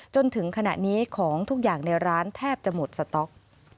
จนถึงขณะนี้ของทุกอย่างในร้านแทบจะหมดสต๊อก